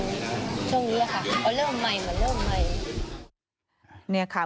เหมือนเริ่มใหม่